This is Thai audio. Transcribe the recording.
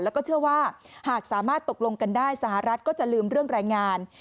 แล้วก็เชื่อว่าหากสามารถตกลงกันได้สหรัฐก็จะลืมเรื่องรายงาน